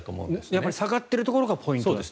やっぱり下がっているところがポイントだと。